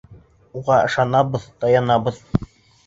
Уға ышанабыҙ, таянабыҙ.